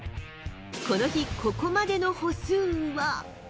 この日、ここまでの歩数は。